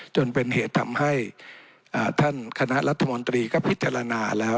จนเป็นเหตุทำให้ท่านคณะรัฐมนตรีก็พิจารณาแล้ว